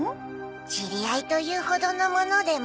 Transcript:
知り合いというほどのものでも。